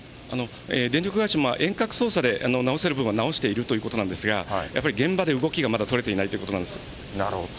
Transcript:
電力会社も遠隔操作で直せる部分は直しているということなんですが、やっぱり現場で動きがまだ取れていないということなんでなるほど。